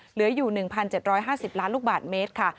เหลืออยู่๑๗๕๐ล้านลูกบาทเมตรค่ะ